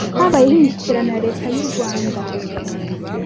habayeho imishyikirano ya Leta y'u Rwanda